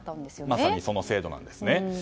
まさにその制度なんですね。